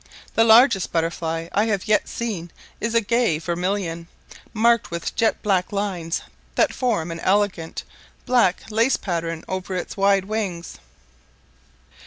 The largest butterfly I have yet seen is a gay vermilion, marked with jet black lines that form an elegant black lace pattern over its wide wings.